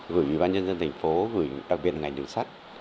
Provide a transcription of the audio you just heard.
gửi ủy ban nhân dân thành phố gửi đặc biệt là ngành đường sắt